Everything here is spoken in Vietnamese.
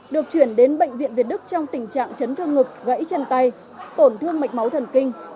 được chuyển đến bệnh viện việt đức trong tình trạng chấn thương ngực gãy chân tay tổn thương mạch máu thần kinh